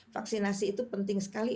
vaksinasi itu penting sekali